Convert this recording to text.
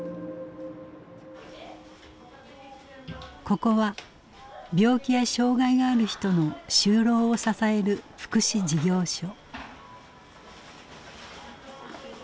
ここは病気や障害がある人の就労を支える福祉事業所。